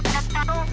pak prawo subianto